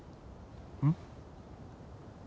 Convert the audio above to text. うん？